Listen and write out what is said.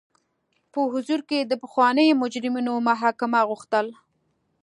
په حضور کې د پخوانیو مجرمینو محاکمه غوښتل.